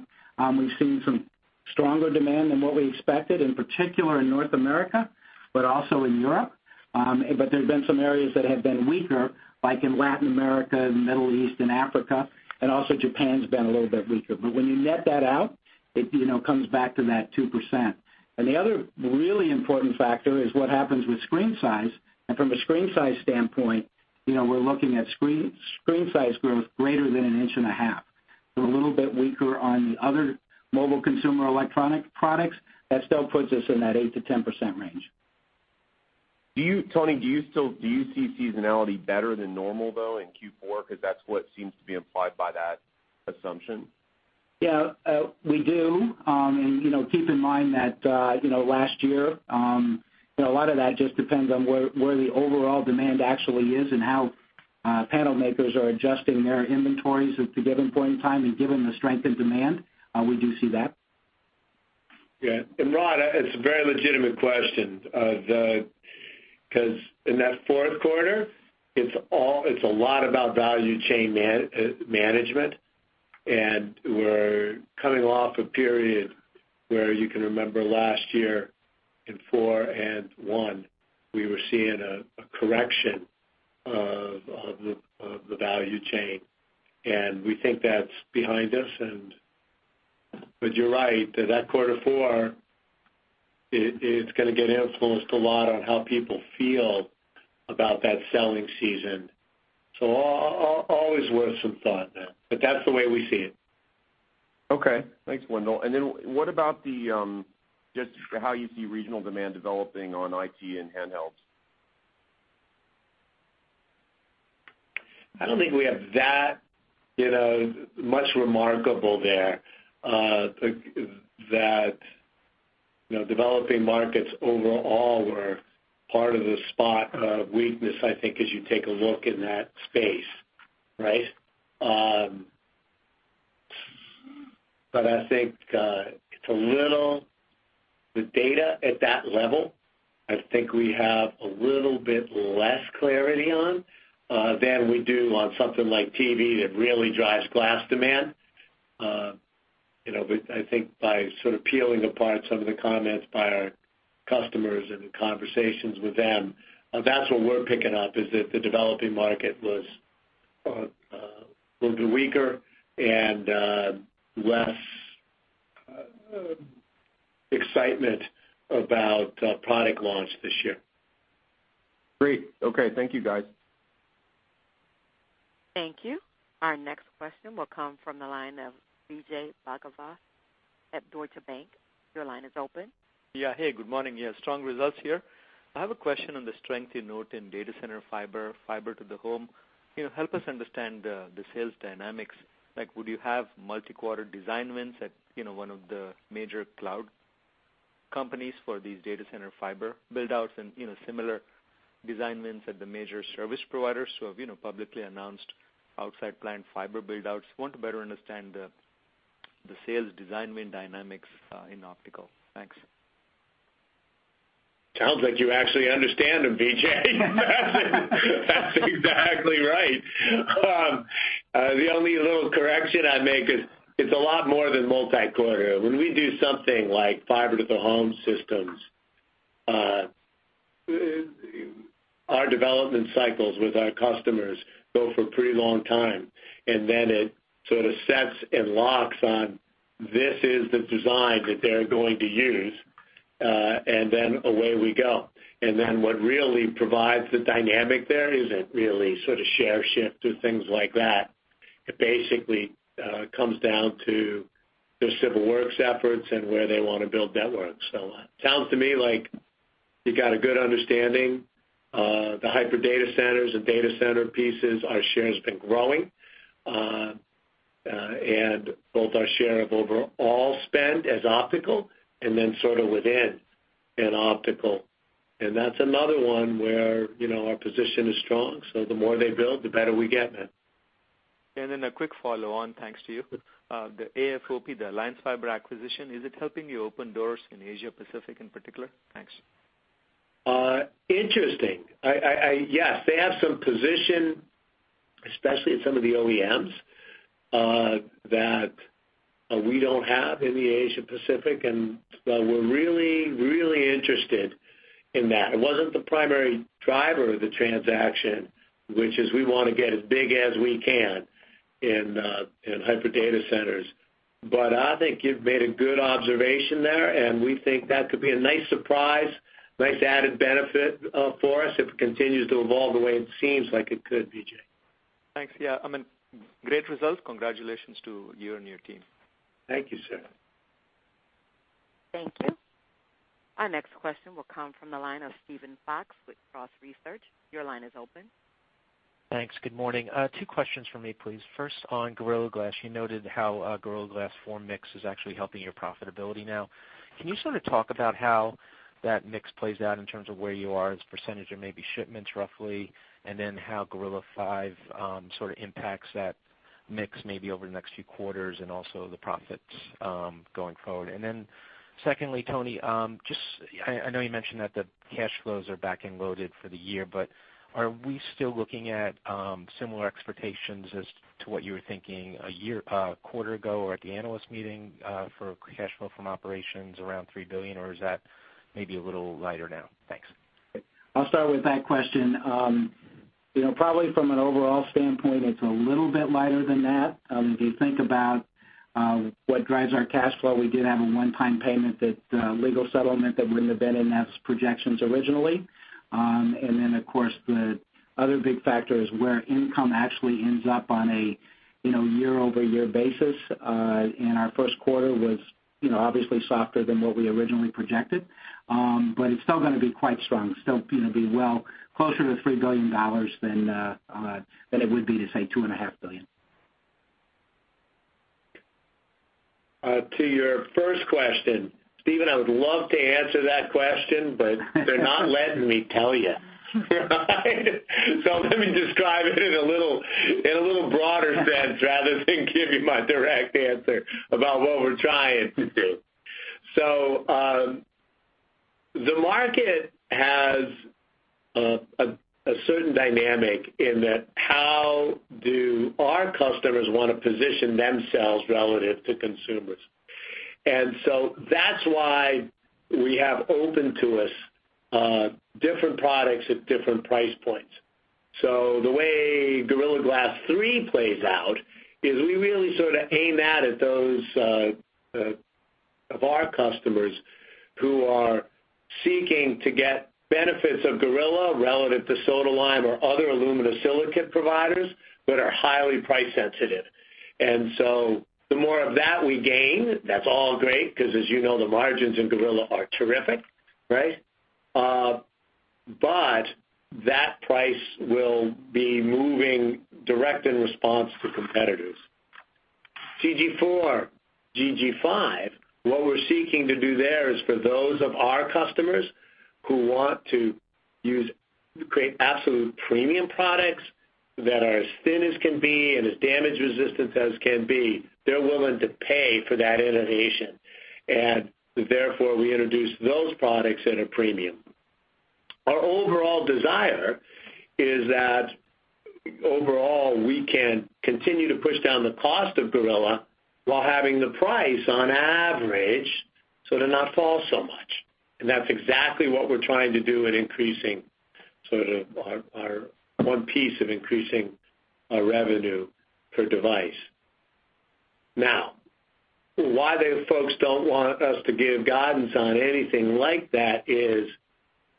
we've seen some stronger demand than what we expected, in particular in North America, but also in Europe. There's been some areas that have been weaker, like in Latin America and Middle East and Africa, and also Japan's been a little bit weaker. When you net that out, it comes back to that 2%. The other really important factor is what happens with screen size. From a screen size standpoint, we're looking at screen size growth greater than an inch and a half. We're a little bit weaker on the other mobile consumer electronic products. That still puts us in that 8%-10% range. Tony, do you see seasonality better than normal though in Q4? Because that's what seems to be implied by that assumption. Yeah. We do. Keep in mind that last year, a lot of that just depends on where the overall demand actually is and how panel makers are adjusting their inventories at the given point in time and given the strength in demand. We do see that. Yeah. Rod, it's a very legitimate question. In that fourth quarter, it's a lot about value chain management, we're coming off a period where you can remember last year in four and one, we were seeing a correction of the value chain. We think that's behind us. You're right, that quarter four, it's going to get influenced a lot on how people feel about that selling season. Always worth some thought then, but that's the way we see it. Okay. Thanks, Wendell. What about just how you see regional demand developing on IT and handhelds? I don't think we have that much remarkable there, that developing markets overall were part of the spot of weakness, I think, as you take a look in that space. Right? The data at that level, I think we have a little bit less clarity on, than we do on something like TV that really drives glass demand. I think by sort of peeling apart some of the comments by our customers and the conversations with them, that's what we're picking up, is that the developing market was a little bit weaker and less excitement about product launch this year. Great. Okay. Thank you, guys. Thank you. Our next question will come from the line of Vijay Bhagavath at Deutsche Bank. Your line is open. Hey, good morning. Yeah, strong results here. I have a question on the strength you note in data center fiber to the home. Can you help us understand the sales dynamics? Like, would you have multi-quarter design wins at one of the major cloud companies for these data center fiber build-outs and similar design wins at the major service providers who have publicly announced outside plant fiber build-outs? Want to better understand the sales design win dynamics in optical. Thanks. Sounds like you actually understand them, Vijay. That's exactly right. The only little correction I'd make is, it's a lot more than multi-quarter. When we do something like fiber to the home systems, our development cycles with our customers go for a pretty long time, and then it sort of sets and locks on, this is the design that they're going to use. Away we go. What really provides the dynamic there isn't really sort of share shift or things like that. It basically comes down to their civil works efforts and where they want to build networks. Sounds to me like you got a good understanding. The hyper data centers, the data center pieces, our share has been growing. Both our share of overall spend as optical and then sort of within in optical. That's another one where our position is strong. The more they build, the better we get, man. A quick follow-on, thanks to you. The AFOP, the Alliance Fiber acquisition, is it helping you open doors in Asia Pacific in particular? Thanks. Interesting. Yes. They have some position, especially at some of the OEMs, that we don't have in the Asia Pacific, we're really, really interested in that. It wasn't the primary driver of the transaction, which is we want to get as big as we can in hyper data centers. I think you've made a good observation there, and we think that could be a nice surprise, nice added benefit for us if it continues to evolve the way it seems like it could, Vijay. Thanks. Yeah. Great results. Congratulations to you and your team. Thank you, sir. Thank you. Our next question will come from the line of Steven Fox with Cross Research. Your line is open. Thanks. Good morning. Two questions from me, please. First, on Gorilla Glass, you noted how Gorilla Glass form mix is actually helping your profitability now. Can you sort of talk about how that mix plays out in terms of where you are as % or maybe shipments roughly, and then how Gorilla Five sort of impacts that mix maybe over the next few quarters and also the profits going forward? Secondly, Tony, I know you mentioned that the cash flows are back-end loaded for the year. Are we still looking at similar expectations as to what you were thinking a quarter ago or at the analyst meeting, for cash flow from operations around $3 billion, or is that maybe a little lighter now? Thanks. I'll start with that question. Probably from an overall standpoint, it's a little bit lighter than that. If you think about what drives our cash flow, we did have a one-time payment, that legal settlement that wouldn't have been in those projections originally. Of course, the other big factor is where income actually ends up on a year-over-year basis. Our first quarter was obviously softer than what we originally projected. It's still going to be quite strong, still be well closer to $3 billion than it would be to, say, $2.5 billion. To your first question, Steven, I would love to answer that question, but they're not letting me tell you. Let me describe it in a little broader sense rather than give you my direct answer about what we're trying to do. The market has a certain dynamic in that how do our customers want to position themselves relative to consumers? That's why we have open to us different products at different price points. The way Gorilla Glass 3 plays out is we really sort of aim that at those of our customers who are seeking to get benefits of Gorilla relative to soda-lime or other aluminosilicate providers, but are highly price sensitive. The more of that we gain, that's all great because as you know, the margins in Gorilla are terrific. That price will be moving direct in response to competitors. GG4, GG5, what we're seeking to do there is for those of our customers who want to create absolute premium products that are as thin as can be and as damage resistant as can be, they're willing to pay for that innovation, and therefore we introduce those products at a premium. Our overall desire is that overall, we can continue to push down the cost of Gorilla while having the price, on average, sort of not fall so much. That's exactly what we're trying to do in increasing our one piece of increasing our revenue per device. Why the folks don't want us to give guidance on anything like that is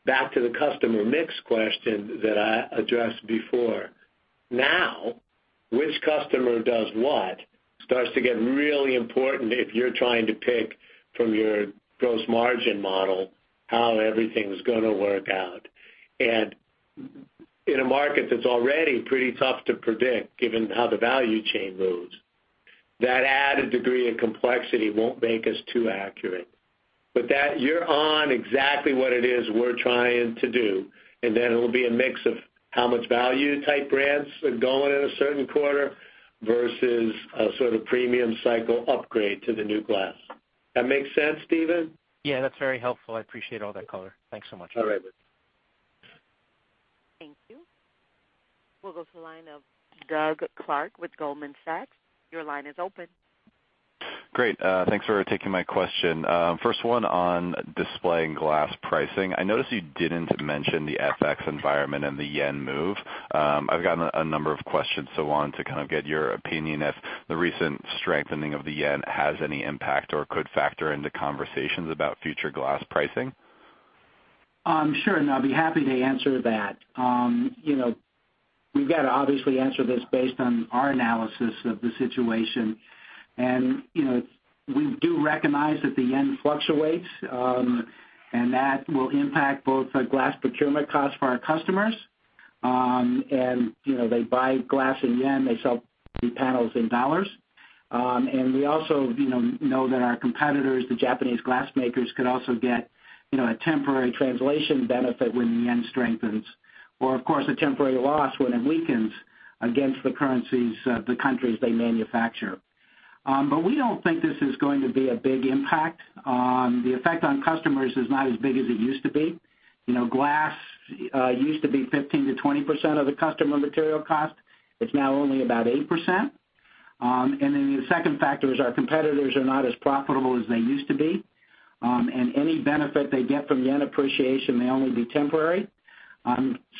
back to the customer mix question that I addressed before. Which customer does what starts to get really important if you're trying to pick from your gross margin model how everything's going to work out. In a market that's already pretty tough to predict, given how the value chain moves, that added degree of complexity won't make us too accurate. You're on exactly what it is we're trying to do, and then it'll be a mix of how much value type grants are going in a certain quarter versus a sort of premium cycle upgrade to the new glass. That make sense, Steven? Yeah, that's very helpful. I appreciate all that color. Thanks so much. All right. Thank you. We'll go to the line of Doug Clark with Goldman Sachs. Your line is open. Great. Thanks for taking my question. First one on display and glass pricing. I noticed you didn't mention the FX environment and the yen move. I've gotten a number of questions, so wanted to kind of get your opinion if the recent strengthening of the yen has any impact or could factor into conversations about future glass pricing. Sure. I'll be happy to answer that. We've got to obviously answer this based on our analysis of the situation. We do recognize that the yen fluctuates, and that will impact both the glass procurement cost for our customers, and they buy glass in yen, they sell the panels in dollars. We also know that our competitors, the Japanese glass makers, could also get a temporary translation benefit when the yen strengthens, or of course, a temporary loss when it weakens against the currencies of the countries they manufacture. We don't think this is going to be a big impact. The effect on customers is not as big as it used to be. Glass used to be 15%-20% of the customer material cost. It's now only about 8%. The second factor is our competitors are not as profitable as they used to be. Any benefit they get from yen appreciation may only be temporary.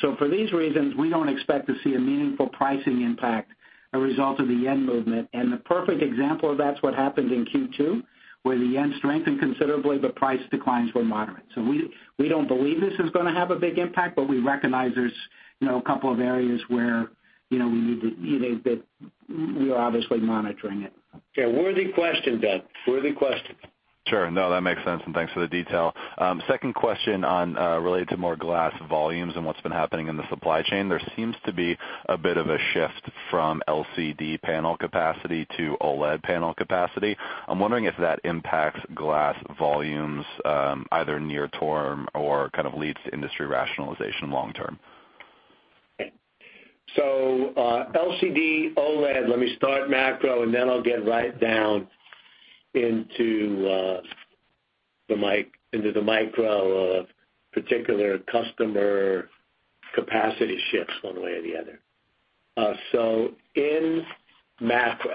For these reasons, we don't expect to see a meaningful pricing impact, a result of the yen movement. The perfect example of that's what happened in Q2, where the yen strengthened considerably, but price declines were moderate. We don't believe this is going to have a big impact, but we recognize there's a couple of areas where we are obviously monitoring it. Yeah, worthy question, Doug. Worthy question. Sure. No, that makes sense, and thanks for the detail. Second question related to more glass volumes and what's been happening in the supply chain. There seems to be a bit of a shift from LCD panel capacity to OLED panel capacity. I'm wondering if that impacts glass volumes, either near term or kind of leads to industry rationalization long term. LCD, OLED, let me start macro, and then I'll get right down into the micro of particular customer capacity shifts one way or the other. In macro,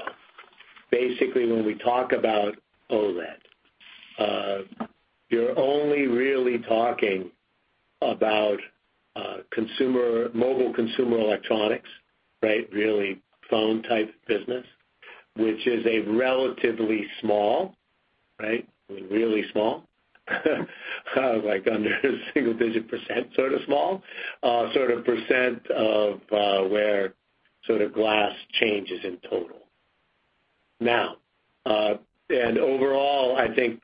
basically, when we talk about OLED, you're only really talking about mobile consumer electronics, really phone type business, which is a relatively small, really small, like under single digit percent sort of small, sort of percent of where glass changes in total. Overall, I think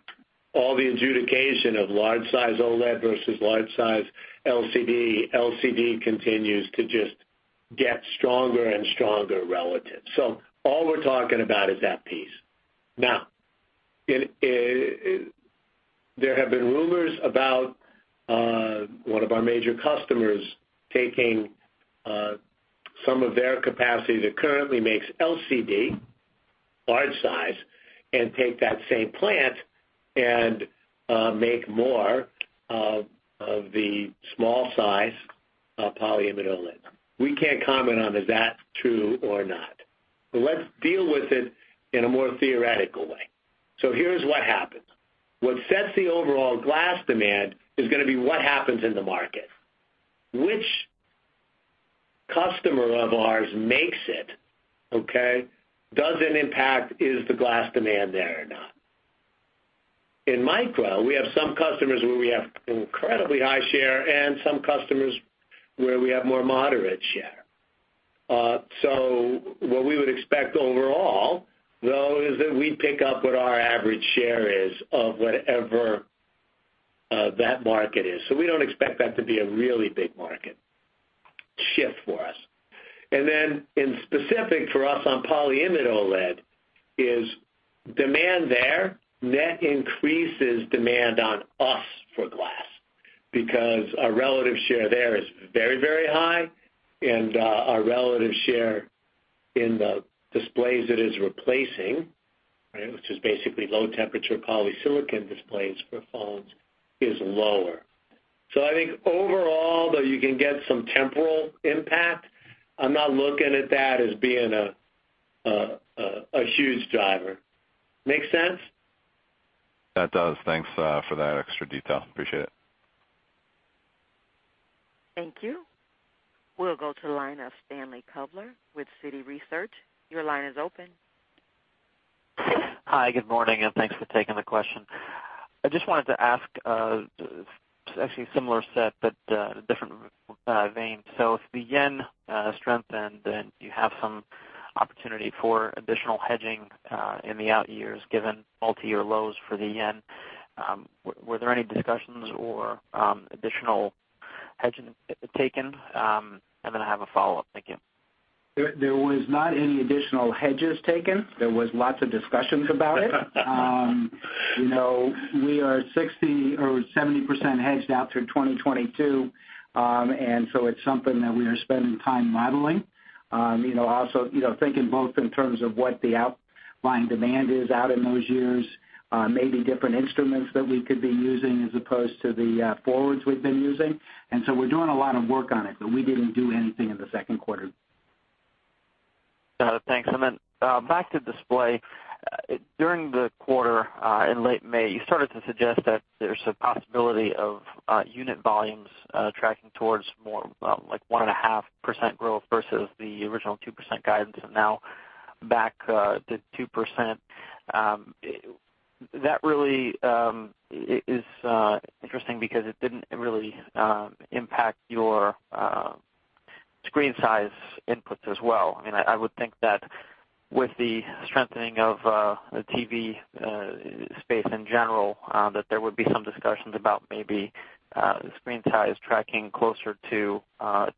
all the adjudication of large size OLED versus large size LCD continues to just get stronger and stronger relative. All we're talking about is that piece. Now, there have been rumors about one of our major customers taking some of their capacity that currently makes LCD large size and take that same plant and make more of the small size polyimide OLED. We can't comment on is that true or not. Let's deal with it in a more theoretical way. Here's what happens. What sets the overall glass demand is going to be what happens in the market. Which customer of ours makes it, okay, doesn't impact is the glass demand there or not. In micro, we have some customers where we have incredibly high share and some customers where we have more moderate share. What we would expect overall, though, is that we pick up what our average share is of whatever that market is. We don't expect that to be a really big market shift for us. In specific for us on polyimide OLED is demand there net increases demand on us for glass because our relative share there is very, very high, and our relative share in the displays it is replacing, which is basically low-temperature polysilicon displays for phones, is lower. I think overall, though you can get some temporal impact, I'm not looking at that as being a huge driver. Make sense? That does. Thanks for that extra detail. Appreciate it. Thank you. We'll go to the line of Stanley Kovler with Citi Research. Your line is open. Hi, good morning, and thanks for taking the question. I just wanted to ask, actually a similar set, but a different vein. If the yen strengthened, then you have some opportunity for additional hedging in the out-years, given multi-year lows for the yen. Were there any discussions or additional hedging taken? I'm going to have a follow-up. Thank you. There was not any additional hedges taken. There was lots of discussions about it. We are 60% or 70% hedged out through 2022. It's something that we are spending time modeling. Also thinking both in terms of what the outlying demand is out in those years, maybe different instruments that we could be using as opposed to the forwards we've been using. We're doing a lot of work on it, but we didn't do anything in the second quarter. Thanks. Back to Display. During the quarter, in late May, you started to suggest that there's a possibility of unit volumes tracking towards more like 1.5% growth versus the original 2% guidance. Now back to 2%. That really is interesting because it didn't really impact your screen size inputs as well. I would think that with the strengthening of the TV space in general, there would be some discussions about maybe screen size tracking closer to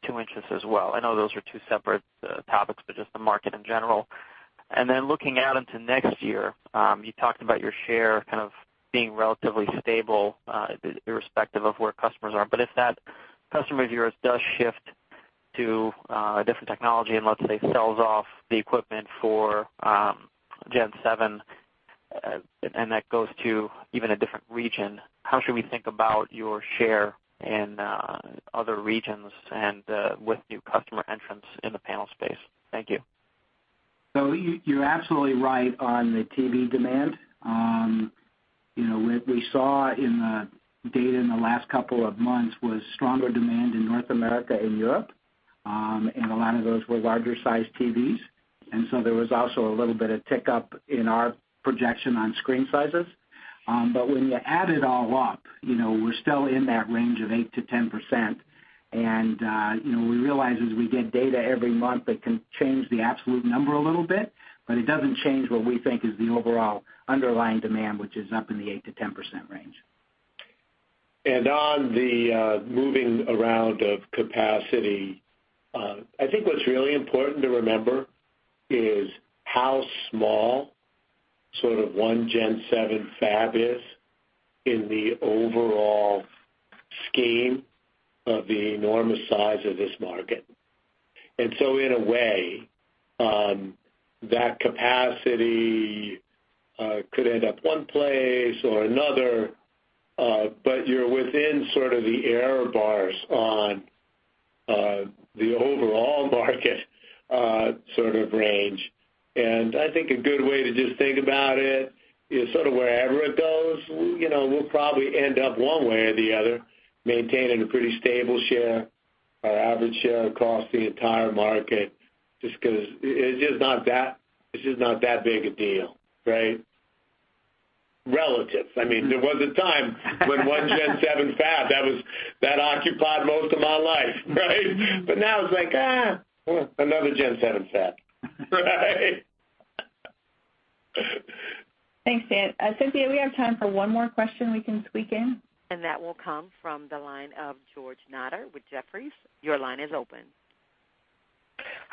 two inches as well. I know those are two separate topics, but just the market in general. Looking out into next year, you talked about your share kind of being relatively stable, irrespective of where customers are. If that customer of yours does shift to a different technology and let's say sells off the equipment for Gen 7, and that goes to even a different region, how should we think about your share in other regions and with new customer entrants in the panel space? Thank you. You're absolutely right on the TV demand. What we saw in the data in the last couple of months was stronger demand in North America and Europe, and a lot of those were larger sized TVs. There was also a little bit of tick up in our projection on screen sizes. But when you add it all up, we're still in that range of 8%-10%. We realize as we get data every month, that can change the absolute number a little bit, but it doesn't change what we think is the overall underlying demand, which is up in the 8%-10% range. On the moving around of capacity, I think what's really important to remember is how small sort of one Gen 7 fab is in the overall scheme of the enormous size of this market. In a way, that capacity could end up one place or another, but you're within sort of the error bars on the overall market sort of range. I think a good way to just think about it is sort of wherever it goes, we'll probably end up one way or the other, maintaining a pretty stable share, our average share across the entire market, just because it's just not that big a deal, right? Relative. There was a time when one Gen 7 fab, that occupied most of my life, right? But now it's like, another Gen 7 fab, right? Thanks, Stan. Cynthia, we have time for one more question we can squeak in. That will come from the line of George Notter with Jefferies. Your line is open.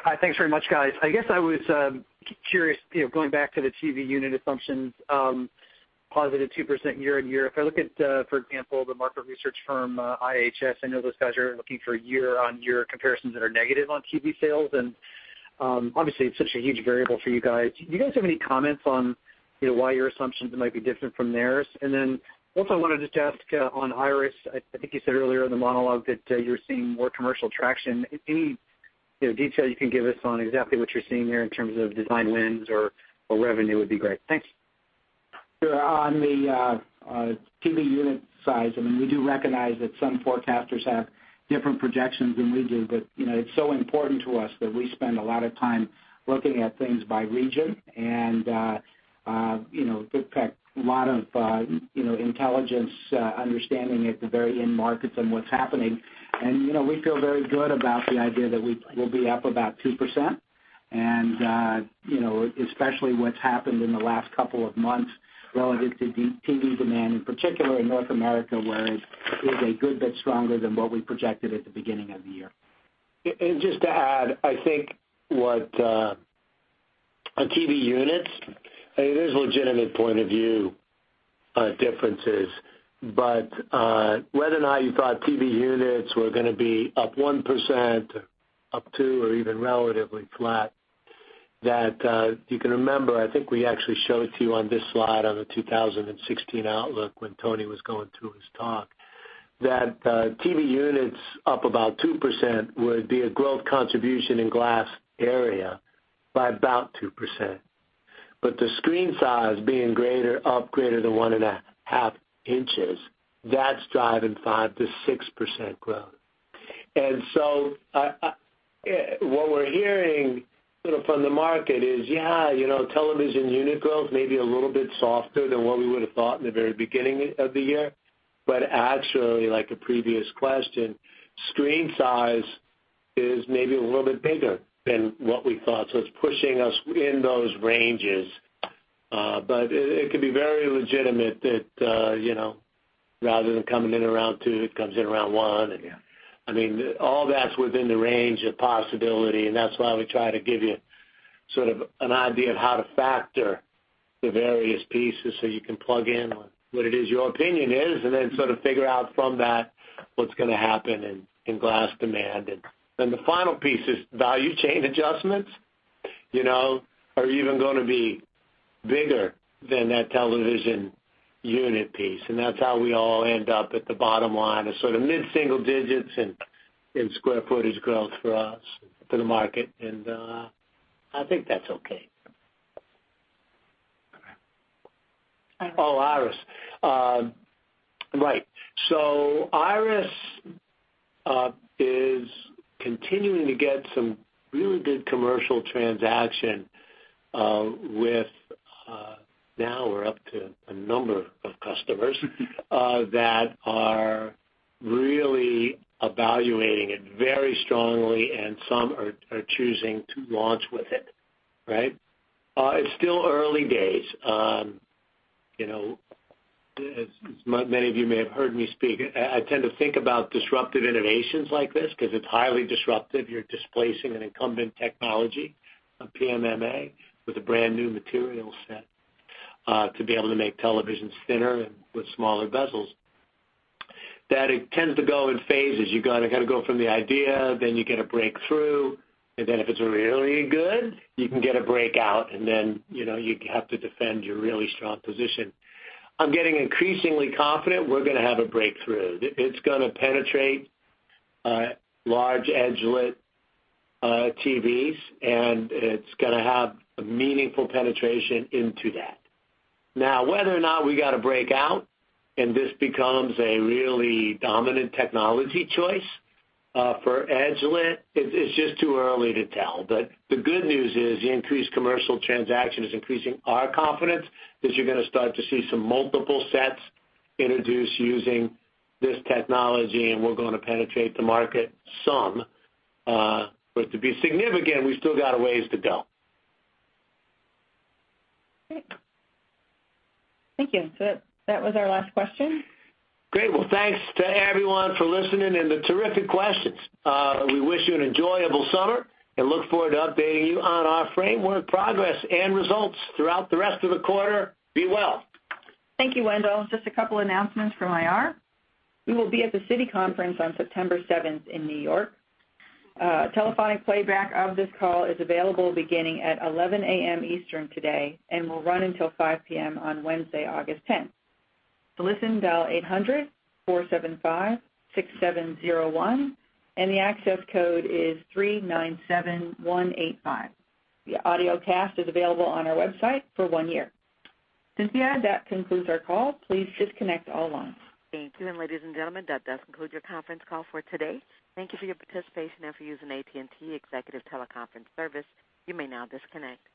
Hi. Thanks very much, guys. I guess I was curious, going back to the TV unit assumptions, positive 2% year-on-year. If I look at, for example, the market research firm IHS, I know those guys are looking for year-on-year comparisons that are negative on TV sales. Obviously, it's such a huge variable for you guys. Do you guys have any comments on why your assumptions might be different from theirs? Then also I wanted to just ask on Iris, I think you said earlier in the monologue that you're seeing more commercial traction. Any detail you can give us on exactly what you're seeing there in terms of design wins or revenue would be great. Thanks. Sure. On the TV unit size, I mean, we do recognize that some forecasters have different projections than we do. It's so important to us that we spend a lot of time looking at things by region and get back a lot of intelligence, understanding at the very end markets and what's happening. We feel very good about the idea that we'll be up about 2%. Especially what's happened in the last couple of months relative to TV demand, in particular in North America, where it is a good bit stronger than what we projected at the beginning of the year. Just to add, I think what TV units, it is legitimate point of view differences. Whether or not you thought TV units were going to be up 1%, up 2%, or even relatively flat, that you can remember, I think we actually showed to you on this slide on the 2016 outlook when Tony was going through his talk, that TV units up about 2% would be a growth contribution in glass area by about 2%. The screen size being up greater than one and a half inches, that's driving 5%-6% growth. What we're hearing sort of from the market is, television unit growth may be a little bit softer than what we would've thought in the very beginning of the year. Actually, like a previous question, screen size is maybe a little bit bigger than what we thought, so it's pushing us in those ranges. It could be very legitimate that rather than coming in around 2%, it comes in around 1%. Yeah. I mean, all that's within the range of possibility. That's why we try to give you sort of an idea of how to factor the various pieces so you can plug in what it is your opinion is, then sort of figure out from that what's going to happen in glass demand. The final piece is value chain adjustments are even going to be bigger than that television unit piece, and that's how we all end up at the bottom line of sort of mid-single digits in square footage growth for us for the market. I think that's okay. Okay. Oh, Iris. Right. Iris is continuing to get some really good commercial transaction with, now we're up to a number of customers that are really evaluating it very strongly, and some are choosing to launch with it. Right. It's still early days. As many of you may have heard me speak, I tend to think about disruptive innovations like this because it's highly disruptive. You're displacing an incumbent technology, a PMMA, with a brand-new material set, to be able to make televisions thinner and with smaller bezels. It tends to go in phases. You kind of got to go from the idea, then you get a breakthrough, and then if it's really good, you can get a breakout, and then you have to defend your really strong position. I'm getting increasingly confident we're going to have a breakthrough. It's going to penetrate large edge-lit TVs, and it's going to have a meaningful penetration into that. Whether or not we got a breakout and this becomes a really dominant technology choice for edge-lit, it's just too early to tell. The good news is the increased commercial transaction is increasing our confidence that you're going to start to see some multiple sets introduced using this technology, and we're going to penetrate the market some. To be significant, we still got a ways to go. Great. Thank you. That was our last question. Great. Thanks to everyone for listening and the terrific questions. We wish you an enjoyable summer and look forward to updating you on our framework progress and results throughout the rest of the quarter. Be well. Thank you, Wendell. Just a couple announcements from IR. We will be at the Citi Conference on September seventh in New York. A telephonic playback of this call is available beginning at 11:00 a.m. Eastern today and will run until 5:00 p.m. on Wednesday, August 10th. To listen, dial 800-475-6701, and the access code is 397185. The audiocast is available on our website for one year. Cynthia, that concludes our call. Please disconnect all lines. Thank you. Ladies and gentlemen, that does conclude your conference call for today. Thank you for your participation and for using AT&T Executive Teleconference Service. You may now disconnect.